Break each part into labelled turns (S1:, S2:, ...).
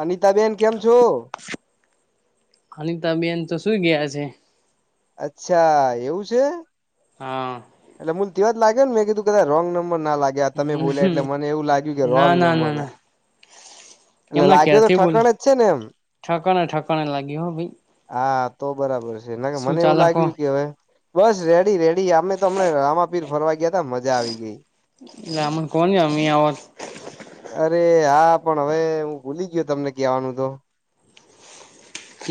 S1: અનિતાબેન કેમ છો.
S2: અનિતાબેન તો સુઈ ગયા છે.
S1: અચ્છા એવું છે.
S2: હા.
S1: એટલે મુંલવા જ લાગે નેં કીધું કા રંગમં ના લાગ્યા આ તમે બોલ્યા એટલે મને એવું લાગ્યું કે
S2: ના
S1: રોંગ ન
S2: ના ના
S1: મળ
S2: ના
S1: એટલે
S2: એમના
S1: લાગ્યો તો
S2: ક્યારથી બોલો
S1: ઠકણ જ છે ને એમ
S2: ઠકાણે ઠકાણે લાગ્યું હો ભાઈ
S1: હા. તો બરાબર છે ના કે
S2: શું
S1: મને એવું
S2: ચાલે કો
S1: લાગ્યું કે હવે બસ રેડી રેડી અમે તોમને આ ર ફરવા ગયા ત મજા આવી ગઈ.
S2: લમન કોણ ની આવાત
S1: અરે હા પણ હવે હું ભૂલી ગયો તમને કહેવાનું તો.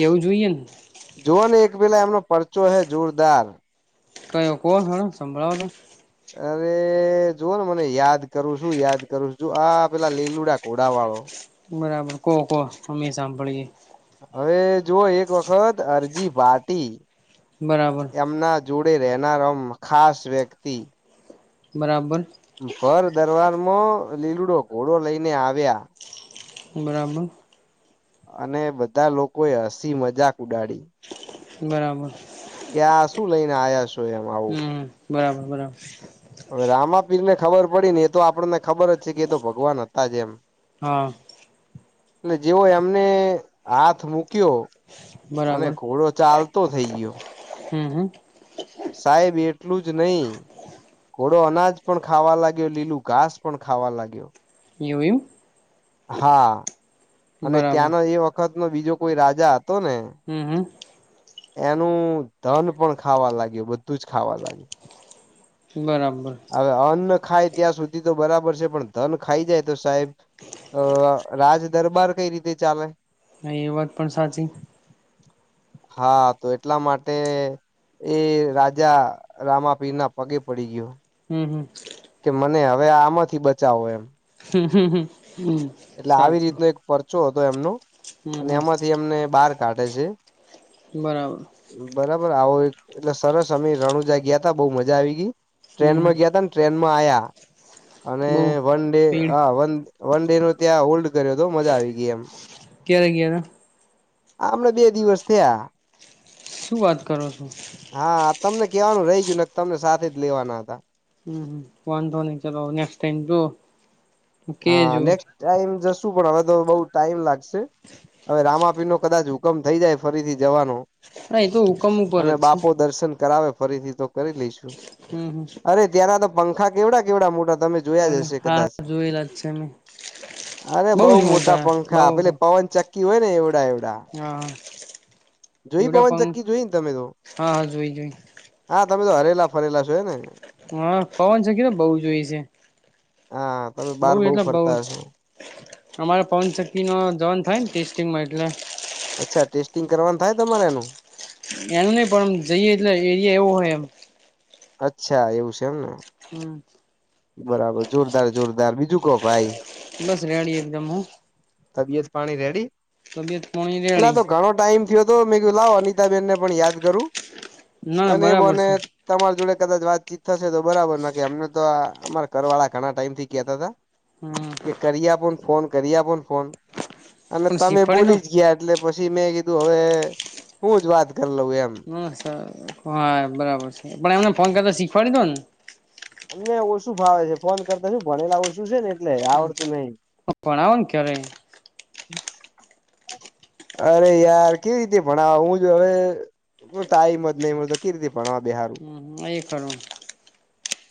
S2: એવું જોઈએ ને
S1: જોઓ ને એક પેલા એમનો પરચો હે જોરદાર.
S2: કયો કોલ હણા સંભળાવા નુ
S1: અરે જુઓ ને મને યાદ કરું છું યાદ કરું છું જો આ પેલા લીલુડા ધોડા વાળો.
S2: બરાબર કો કો અ્મે સાંભળીએે
S1: હવે જો એક વખત અરજી ભાટી
S2: બરાબર
S1: એમના જોડે બે રહેનારમ ખાસ વ્યક્તિ.
S2: બરાબર
S1: ભર દરવાર માં લીલુડો ઘોડો લઈને આવ્યા
S2: બરાબર
S1: અને બધા લોકો એ હસી મજાક ઉડાડી.
S2: બરાબર
S1: કે આ શું લઈને આયા છો એમ આવું
S2: હમ બરાબર બરાબર
S1: હવે રામાપીર ને ખબર પડી ને એ તો આપણને ખબર જ છે કે એતો ભગવાન હતા જ એમ
S2: હા
S1: અને જેવો એમને હાથ મુક્યો અને
S2: બરાબર
S1: ઘોડો ચાલતો થઈ ગયો
S2: હમ્મ હમ્મ
S1: સાહેબેર એટલું જ નહી ઘોડો અનાજ પણ ખાવા લાગ્યો લીલું ઘાસ પણ ખાવા લાગ્યો
S2: એવું એવુ
S1: હા અને ત્યાંનો એ વખતનો બીજો કોઈ રાજા હતો ને
S2: હમ હમ
S1: એનું ધન પણ ખાવા લાગ્યું બધું જ ખાવા લાગ્યું
S2: બરાબર
S1: ખાઇ ત્યાં સુધી તો બરાબર છે પણ ધન ખાઈ જાય તો સાહેબ અ રાજદરબાર કઈ રીતે ચાલે
S2: ના એ વાત પણ સાચી
S1: હા તો એટલા માટે એ રાજા રામાપીર ના પગે પડી ગયો
S2: હમ્મ હમ્મ
S1: કે મને અવે આમાંથી બચાવો એમ
S2: હમ્મ હમ્મ હમ્મ
S1: એટલે આવી રીતનો એક પરચો હતો એમનો
S2: હમ
S1: અને
S2: હમ
S1: એમાંથી એમને બાર કાઢે છે
S2: બરાબર
S1: બરાબર આવો એક એટલે સરસ અમે રણુજા ગ્યાતા બહુ મજા આવી ગઈ
S2: હમ હમ
S1: ટ્રેનમાં ગ્યા તા ન ટ્રેનમાં આયા અને
S2: બઉ
S1: વન ડે
S2: ભીડ
S1: હા વન વન ડે નો ત્યાં હોલ્ડ કર્યો તો મજા આવી ગઈ એમ
S2: ક્યારે ગયા તા
S1: આપડે બે દિવસ થયા
S2: શું વાત કરો છો
S1: હા તમને કેવાનું રહી ગયું ને તમને સાથે જ લેવાના હતા
S2: હમ્મ વાંધો નઈ ચલો અવે નેક્સ્ટ ટાઈમ તો
S1: હા નેક્સ્ટ ટાઈમ જસ શું પણ હવે તો બહુ ટાઈમ લાગશે હવે રામાપીર નો કદાચ હુકમ થઈ જાય ફરીથી જવાનો
S2: એ તો હુકમ ઉપર
S1: અને
S2: જ છે
S1: બાપો દર્શન કરાવે ફરીથી તો કરી લઈશું
S2: હમ
S1: અરે ત્યાંના તો પંખા કેવડા કેવડા મોટા તમે જોયા જ
S2: હમ
S1: હશે
S2: હા
S1: કદાચ
S2: જોયેલા જ છે મે
S1: અરે બઉ મોટા પંખા પેલે પવન ચક્કી હોય ને એવડા એ
S2: હા
S1: જોઈ
S2: એવડા
S1: પવન ચક્કી
S2: પંખ
S1: જોઈને તમે તો
S2: હા હા જોઈ જોઈ
S1: હા તમે તો હરેલા ફરેલા છો હે ને
S2: હા પવન ચક્કી તો બહુ જોઈ છે
S1: હા તમે
S2: બઉ
S1: બાર બહુ
S2: એટલે બઉ
S1: ફરતા હસો
S2: અમારે પવનચક્કી માં જવાન થાય ને ટેસ્ટિંગમાં એટલે
S1: ફિટિંગ કરવાનું થાય તમારે એનું
S2: એનું નહિ પણ જઈએ એટલે એરિયા એવો હોય એમ.
S1: અચ્છા એવું છે, એમને.
S2: હમ.
S1: બરાબર જોરદાર જોરદાર બીજું કહો ભાઈ.
S2: બસ રેડી એકદમ હું.
S1: દીસ પાણી રેડી.
S2: તબિયત પાણી
S1: પેલા
S2: રેડી.
S1: તો [unintelligible] લાવ અનિતાબેનને પણ યાદ કરું
S2: ના ના
S1: અને
S2: બરાબર
S1: બોને
S2: છે
S1: તમાર જોડે. કદાચ વાતચીત થશે તો બરાબર ના કે અમને તો આ અમારા ઘરવાળા ઘણા ટાઈમ થી કેતા હતા.
S2: હમ
S1: કે કરિયા પણ ફોન કર્યા પણ ફોન. અને
S2: પણ
S1: તમે
S2: શીખવાડી દો
S1: બોલી જ ગયા એટલે પછી મેં કીધું હવે હું જ વાત. કરી લઉં એમ
S2: [unintelligible] હા બરાબર છે, પણ એમને ફોન કરતો શીખવાડી દયોને.
S1: અમને ઓછું ફાવે છે, ફોન કરતા શું ભણેલા ઓછું છે, ને. એટલે આવડતું નહી
S2: ભણાવો ને ઘરે
S1: અરે યાર કેવી રીતે ભણાવ હું જો હવે. જો ટાઈમ જ નહી મળે તો કે રીતે ભણવા બેહારુ
S2: [unintelligible] એ કરું.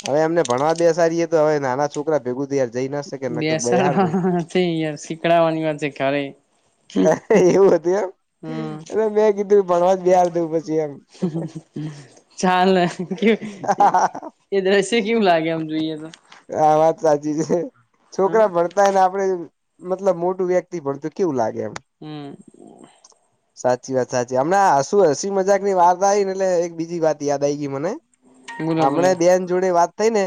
S1: હવે એમને ભણવા બેસારીએ તો હવે નાના છોકરા ભેગું થયા.
S2: બેસાડવા છે, યાર શીકડાવાની [unintelligible] છે, ઘરે
S1: એવું હતું
S2: હમ
S1: એમ મેં કીધું ભણવા જ [unintelligible] દું પછી એમ.
S2: ચાલ
S1: હા
S2: એ દ્રશ્ય કેવું લાગે આમ જોઈએ તો.
S1: હા વાત સાચી છે,
S2: હા
S1: છોકરા ભણતાયને આપડે. મતલબ મોટું વ્યક્તિ [unintelligible] કેવું લાગે. એમ
S2: હમ.
S1: સાચી વાત સાચી હમણાં [unintelligible] હસી મજાક ની વાત આવીઈ ને એટલે એક બીજી વાત યાદ આવી ગઈ મને.
S2: બોલો બોલો
S1: હમણે બેન જોડે વાત થઈ ને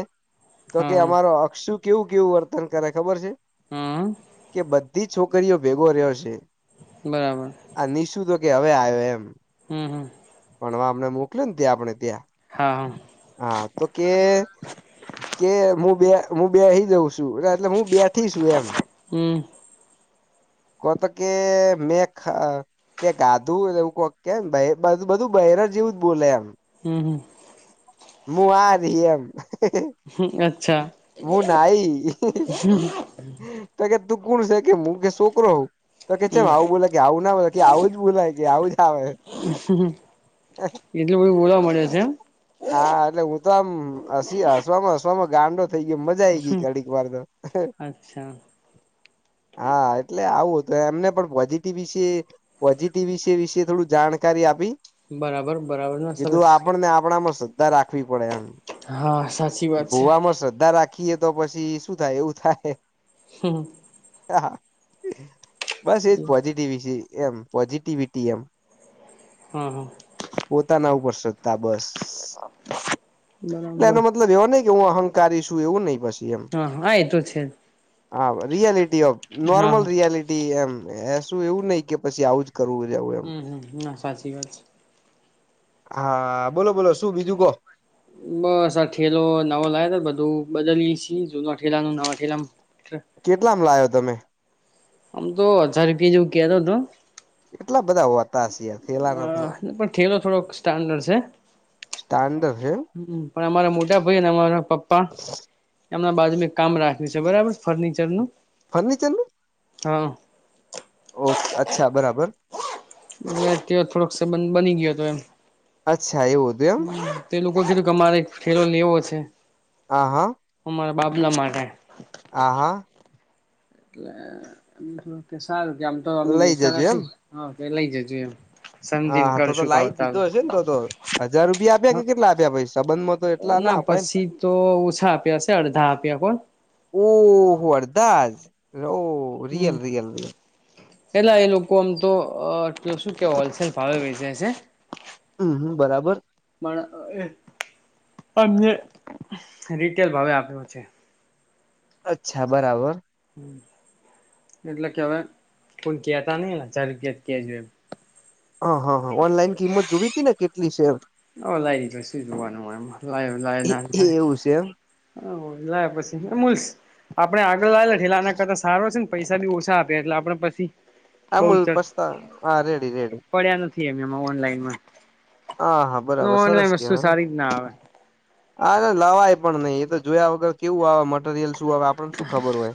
S1: તો કે
S2: હા
S1: અમારો અક્ષુ કેવું કેવું વર્તન કરે ખબર છે,
S2: હા
S1: કે બધી છોકરીઓ ભેગો રહ્યો છે.
S2: બરાબર
S1: [unintelligible]
S2: હમ હમ.
S1: [inaudible] મોકલેને ત્યા આપણે ત્યાં
S2: હા
S1: હા તો કે. કે હું બે હું બે હઈ જઉં છું, એટલે હું બે થી છું એમ.
S2: હમ
S1: [inaudible] તે ગાધું એવું કોક કેમ [unintelligible] બધું [unintelligible] જેવું જ બોલે એમ.
S2: હમ [unintelligible] હમ અચ્છા
S1: [unintelligible] [unintelligible] તો કે છેમ
S2: હમ
S1: આવું બોલાય કે આવું ના બો કે આવું જ બોલાય કે આવું જ આવે.
S2: એટલું બધું બોલાવા મળે છે.
S1: હા એટલે હું તો આમ હસી હસવામાં હસવામાં ગાંડો. [unintelligible] મજા આઈ ગઈ
S2: એમ
S1: ઘડીક વાર તો
S2: અચ્છા
S1: હા એટલે આવું. તો એમને પણ પોઝિટિવ વિશે પોઝિટિવ વિશે વિશે થોડું જાણકારી આપી.
S2: બરાબર બરાબર ના
S1: કીધું
S2: સરસ
S1: આપણ ને આપણામાં. [inaudible] ધા રાખવી પડે એમ
S2: હા સાચી વાત છે
S1: ભુવામાં શ્રદ્ધા રા રાખીએ તો પછી શું થાય એવું થાય [inaudible]
S2: હમ.
S1: [inaudible] બસ એજ પોઝિટિવિસી એમ પોઝિટિવિટી એમ.
S2: હમ હ.
S1: પોતાના ઉપર શ્રદ્ધા બસ.
S2: [inaudible] બરાબર.
S1: એવું અહંકારીશું એવું નહીં બસ.
S2: હા હા એ તો છે જ.
S1: હા રિયાલિટી ઓમ નોર્મલ રિયાલિટી એમ એ શું એવું નહી કે પછી આવું જ. કરવું જવું એમ
S2: હમ હમ ના સાચી વાત છે.
S1: હા બોલો બોલો શું બીજું કહો.
S2: બસ આ ઠેલો નવો લાવે તો બધું બદલીએ છીએ જૂનો. લાનું નવા જલમ [inaudible]
S1: કેટલામાં લાવ્યો તમે.
S2: આમ તો હજાર રૂપિયા જેવું કેતો હતો.
S1: કેટલા બધા હોવા.
S2: હ પણ થેલો થોડોક સ્ટાન્ડર્ડ છે.
S1: સ્ટાન્ડર્ડ છે
S2: હમ પણ અમારા મોટા ભાઈ અને અમારા પપ્પા. હમણાં બાજુ મે એક કામ રાખ્યું છે બરાબર ફર્નિચરનું.
S1: ફર્નિચર નું.
S2: હા.
S1: ઓ અચ્છા બરાબર.
S2: [inaudible] તે થોડોક સબંધ બની ગયો હતો એમ.
S1: અચ્છા એવું હતું એમ.
S2: તે લોકો કીધું કે અમારે એક ફેરો લેવો છે.
S1: હા હા.
S2: તમારા બાબલા માટે.
S1: આ હા.
S2: એટલે મ કે સારું કે આમ તો
S1: લઈ
S2: ઈચ્છા
S1: જજો એમ
S2: નથી હા તો એ લઈ જજો એમ.
S1: હા
S2: સમજીને
S1: હા તો તો
S2: કરશું
S1: લાવ જ
S2: ભાવ તાલ
S1: દીધો હશે ને તો તો હજાર રૂપિયા આપ્યા કે કેટલા આપ્યા ભાઈ સંબંધમાં. તો એટલા
S2: ના
S1: અપાય ને
S2: પછી તો ઓછા આપ્યા છે અડધા આપ્યા કોણ.
S1: દાસ ઓ
S2: હમ
S1: રિયલ રિયલ રિયલ.
S2: એટલા એ લોકો આમ તો કે શું કે હોલસેલ ભાવે વેચે છે.
S1: હમ હમ બરાબર.
S2: એમને રીટેલ ભાવે આપ્યો છે.
S1: અચ્છા બરાબર.
S2: એટલે કે હવે કોઈને કેતા નહી હજાર રૂપિયા જ કેજ એમ.
S1: હા હા હા ઓનલાઈન કિંમત જોવી હતી ને કેટલી શે એમ.
S2: હવે લઈ લીધું શું જોવાનું હોય એમાં લાય લાય ના
S1: એ
S2: થાય.
S1: એવું છે એમ
S2: લેપછી [unintelligible] આપડે આગળ લાવેલ એ થેલા આના કરતા સારો છે. પૈસા બી ઓછા આપે એટલે આપણે પછી. બઉ
S1: અમૂલ
S2: જ
S1: પછતાણા હા રેડી રેડી.
S2: પડ્યા
S1: હા હા બરાબર સરસ
S2: ઓનલાઈન વસ્તુ
S1: કેવાય
S2: સારી ના આવે.
S1: હા લેવાય પણ નહી એ તો જોયા વગર કેવું આવે મટરિયલ. આપને શું ખબર હોય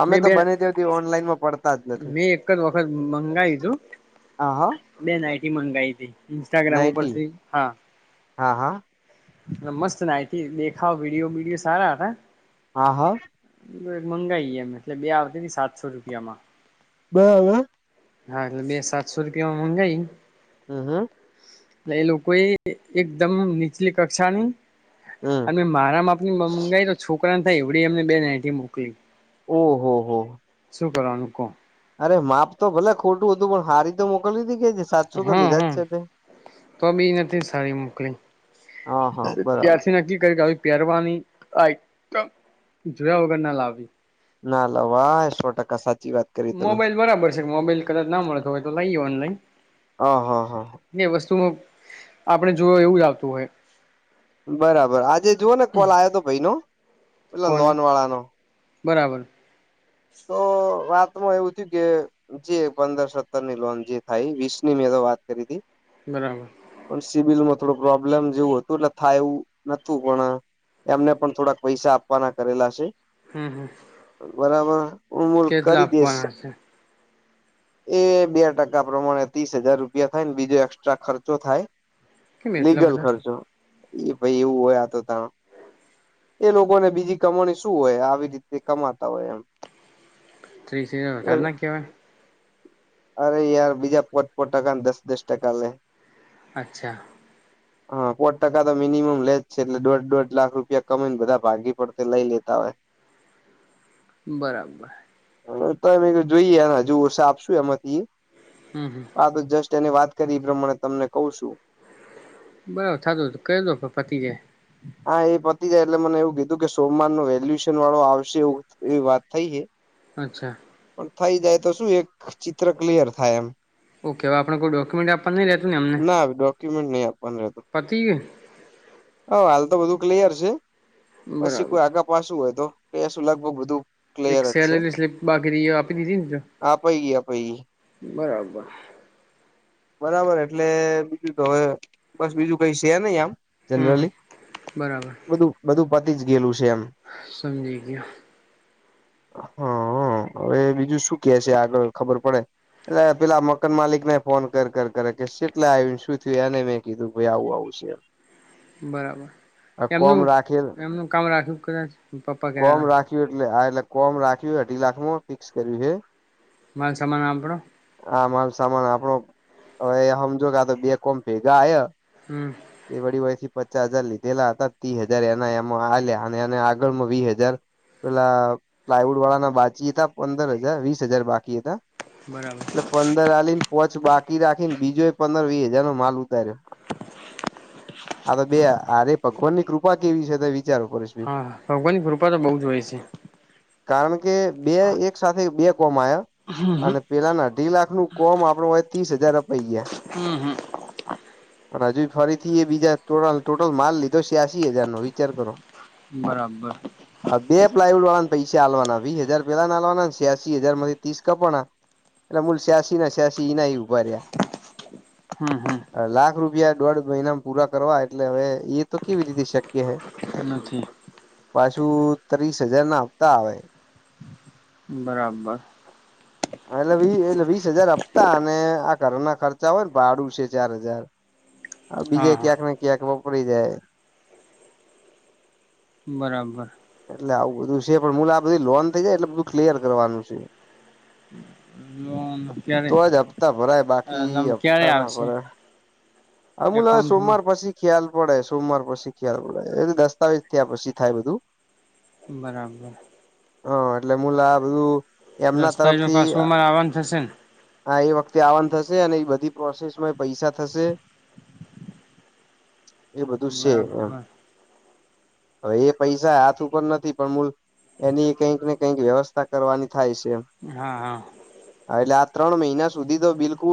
S1: અમે
S2: મેં
S1: તો
S2: બે
S1: બને ત્યાં સુધી ઓનલાઈનમાં પડતા જ. નથી
S2: મેં એક જ વખત મંગાવયુ હતું.
S1: હા હા
S2: બે નાઈટી મંગાઈ હતી ઇન્સ્ટાગ્રામ
S1: નાઈટી
S2: ઉપરથી હા.
S1: હા હા.
S2: મસ્ત નાઈટી દેખાવ વિડિયો બીડિયો સારા હતા.
S1: હા હા.
S2: મંગાઈ એમ એટલે બે આવી હતી ને સાતસો રૂપિયામાં.
S1: બે હે.
S2: હા એટલે બે સાતસો રૂપિયામાં મંગાય.
S1: હમ હમ.
S2: એ લોકો એ એકદમ નીચલી કક્ષાની.
S1: હમ
S2: અને મારા માપ ની મંગાવી તો છોકરાને થાય એવડી એમને બે નાઈટી મોકલી.
S1: ઓહ હો.
S2: શું કરવાનું કો?
S1: એ માપ તો ભલે ખોટું હતું. પણ સારી તો મોકલવી તી કે જે સાતસો રૂપિયા
S2: હા
S1: લીધા જ
S2: હા
S1: છે તે.
S2: તો બી નથી સારી મોકલી.
S1: હા હા બરાબર
S2: ત્યારથી નક્કી કર્યુ કે પહેરવાની ક આઈટમ જોયા વગર ના લાવવી.
S1: ના લવાય. સો ટકા સા
S2: મોબાઈલ બરાબર છે. મોબાઈલ કદાચ ના મળતો હોય તો લઈએ ઓનલાઈન.
S1: હ હા હા
S2: ને વસ્તુઓ આપડે જોએ એવું જ આવતું હોય.
S1: બરાબર. આજે જુઓ ને કોલ આવયો તો ભઈનો. પેલો
S2: કોનું
S1: લોન વાળાનો.
S2: બરાબર.
S1: તો વાત એમાં એવું થયું કે, જે પંદર-સત્તરની લોન જે થાય એ વીસની મેં તો વાત કરી તી.
S2: બરાબર
S1: પણ સિબિલમાં થોડું પ્રોબ્લેમ જેવું હતું એટલે થાય એવું નતું. પણ અ એમને પણ થોડાક પૈસા આપવાના કરેલા શે.
S2: હમ, હમ.
S1: બરાબર, ઉમૂલ
S2: કેટલા
S1: કરી દેશે.
S2: આપવાના છે
S1: એ બે ટકા પ્રમાણે ત્રીસ હજાર રૂપિયા થાયન, બીજો એકક્સ્ટ્રા ખર્ચો થાય.
S2: કેમ એટલા
S1: લીગલ
S2: બધા
S1: ખર્ચો. એ ભઈ એવું હોય આ તો તા એ લોકોને બીજી કમાણી શું હોય, આવી જ રીતે કમાતા હોય એમ.
S2: થ્રી સીઆર વધાર ના કેવાય.
S1: અરે યાર, બીજા પોટ-પોટ ટકાન દસ-દસ ટકા લે.
S2: અચ્છા.
S1: હન, પોટ ટકા તો મિનિમમ લે જ છે. એટલે દોઢ-દોઢ લાખ રૂપિયા કમાઈ ન બધા ભાગી પડતે લા. લઈ લેતા [inaudible]
S2: બરાબર.
S1: હન, તાય મે કૂ જોઈએને હજુ ઓસા આપશું એમાંથી.
S2: હમ હમ
S1: આ તો જસ્ટ તેને વાત કરી ઈ પ્રમાણે તમને કઉ શું.
S2: બરાબર થાતું તું. કઈ દો કે પતિ જાય.
S1: હા, એ પતી જાય એટલે મને એવું કીધું કે સોમવારનો વેલ્યુશન વાળો આવશે. એવું એવી વાત થઈ હે.
S2: અચ્છા.
S1: થઈ જાય તો શું, એક ચિત્ર ક્લિયર થાય એમ.
S2: ઓકે, અવ આપડે કોઈ ડોક્યુમેન્ટ આપ્પાન નઈ રેતુ ન એમને.
S1: ના ડોક્યુમેન્ટ નહી
S2: પતી ગયું.
S1: હવ, હાલ તો બધું ક્લિયર છે. પસી
S2: બરાબર
S1: કોઈ આગા પાસું હોય તો કેશું. લગભગ બધું
S2: એક
S1: ક્લિયર જ છે
S2: સેલરી સ્લીપ બાકી રઈ એ આપી દીધી ન તે.
S1: આપાઈ ગઈ આપાઈ ગઈ
S2: બરાબર. [unintelligible]
S1: બરાબર, એટલે બીજું તો હવે બસ બીજું કઈ શે નઈ આમ.
S2: હમ હમ
S1: જનરલી
S2: બરાબર
S1: બધું-બધું પતી જ ગેલુ
S2: સમજી ગયો.
S1: હઅ. હવે બીજું શું કે છે આગળ ખબર પડે. એટલે પેલા મકાન માલિકને ફોન કર, કર, કરે કે શેટલે આયુ ન શું થયું? એનેય મેં કીધું ભઈ આવું-આવું શે.
S2: બરાબર. એમનું
S1: રાખેલ
S2: એમનું કામ રાખ્યું કદાચ, પપ્પા કેતા
S1: કોમ
S2: તા.
S1: રાખ્યું એટલે આ એટલે કોમ રાખ્યું હે અઢી લાખમાં, ફિક્સ કર્યું હે.
S2: માલ સામાન આપણો
S1: આ માલ સામાન આપણો અવે હમજો ક આ તો બે કોમ ભેગા આય,
S2: હમ
S1: એ વડી પચા હજાર લીધેલા હતા. તીહ હજાર એના એમાં આલે આને આને આગળમાં વીહ હજાર પેલા પ્લાયવુડ વાળાના બાચી તા. પંદર હજાર, વીસ હજાર બાકી હતા.
S2: બરાબર
S1: એટલે પંદર આલીન પોચ બાકી રાખીન, બીજો એક પંદર-વી હજારનો માલ [unintelligible] હા, તો બે આરય પગવાનની કૃપા કેવી છે તે વિ
S2: હા, ભગવાનની કૃપા તો બઉ જ હોય છે.
S1: કારણ કે બે એક સાથે બે કોમ
S2: હમ હમ
S1: અને પેલાના અઢી લાખ નું કોમ આપણો હોય ત્રીસ હજાર અપાઈ
S2: હમ્મ હમ્મ
S1: પણ હજુ ફરીથી એ બીજા ટોટલ ટોટલ માલ લીધો છ્યાસી હજાર નો વિચાર કરો
S2: બરાબર
S1: આ બે પ્લાયવુડ વાળાને પૈસા પૈસા આલવાના વીસ હજાર પહેલાના આલવાના છ્યાસી હજાર માંથી ત્રીસ કપાના એટલે મૂલ સ્યાસી ના સ્યાસી ઈ ના ઈ ઉભા
S2: હમ હમ
S1: રહ્યા લાખ રૂપિયા દોઢ મહિના પૂરા કરવા એટલે હવે એ તો કેવી રીતે શક્ય હોય
S2: નથી
S1: પાછું ત્રીસ હજાર ના હાંફતા આવે
S2: બરાબર
S1: ત્રીસ હજાર આપતા અને આ ઘરના ખર્ચા હોય ને ભાડું છે ચાર હજાર હ બીજે
S2: હા હા
S1: ક્યાંક ને ક્યાંક વપરાઈ જાય
S2: બરાબર
S1: એટલે આવું બધું છે પણ મૂળ આપણી લોન થઈ જાય એટલે બધું ક્લિયર કરવાનું છે
S2: ઈ ક્યારે
S1: તો જ હપ્તા ભરાય
S2: લમ
S1: બાકી
S2: ક્યારે
S1: હપતા ના
S2: આવશે
S1: ભરાય આમલવે
S2: એકાઉન્ટમાં
S1: સોમવાર પછી ખ્યાલ પડે સોમવાર પછી ખ્યાલ પડે એ દસ્તાવેજ થયા પછી થાય બધું
S2: બરાબર
S1: હા એટલે મુુલ આ બધું એમના
S2: દસ્તાવેજમાં
S1: તરફથી
S2: પાછું
S1: અ
S2: અમારે આવવાનું થશે ને
S1: હા એ વખતે આવનું થશે છે ને એ બધી પ્રોસેસ માં પૈસા થશે એ બધું છે
S2: બરાબર
S1: એમ હવે એ પૈસા હાથ ઉપર નથી પણ મૂળ એની કંઈક ને કઈક વ્યવસ્થા કરવાની થાય છે
S2: હા હા
S1: હા એટલે આ ત્રણ મહિના સુધી તો બિલકુલ